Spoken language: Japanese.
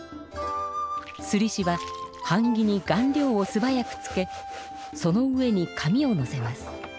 すりしははん木に顔料をすばやくつけその上に紙をのせます。